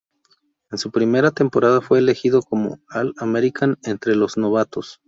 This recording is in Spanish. En su primera temporada fue elegido como All-American entre los novatos.